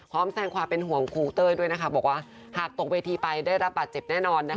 พร้อมแซ่งความเป็นห่วงคุณเต้ยบอกว่าหากตกเวทีไปได้รับบาตเจ็บแน่นอน